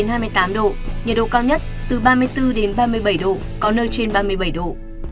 nhiệt độ cao nhất từ ba mươi bốn đến ba mươi bảy độ có nơi trên ba mươi bảy độ